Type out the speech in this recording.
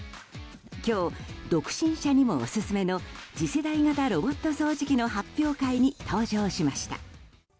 今日、独身者にもオススメの次世代型ロボット掃除機の発表会に登場しました。